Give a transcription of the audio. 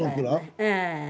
ええ。